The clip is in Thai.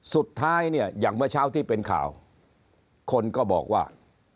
สุดท้ายเนี่ยอย่างเมื่อเช้าที่เป็นข่าวคนก็บอกว่า